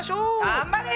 頑張れ！